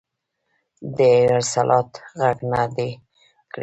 د حی علی الصلواه غږ نه دی کړی.